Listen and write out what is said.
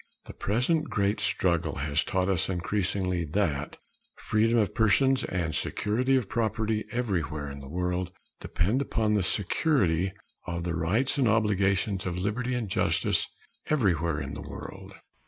The present great struggle has taught us increasingly that freedom of person and security of property anywhere in the world depend upon the security of the rights and obligations of liberty and justice everywhere in the world.